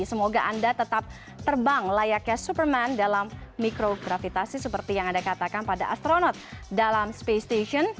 semoga anda tetap terbang layaknya superman dalam mikrogravitasi seperti yang anda katakan pada astronot dalam space station